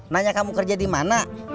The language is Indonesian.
nanya kamu kerja di mana